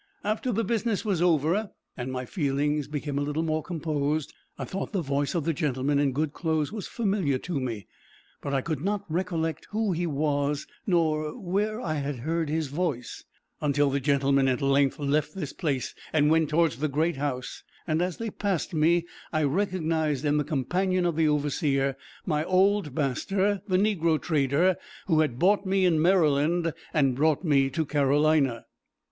After the business was over, and my feelings became a little more composed, I thought the voice of the gentleman in good clothes, was familiar to me; but I could not recollect who he was, nor where I had heard his voice, until the gentlemen at length left this place, and went towards the great house, and as they passed me, I recognized in the companion of the overseer, my old master, the negro trader, who had bought me in Maryland, and brought me to Carolina.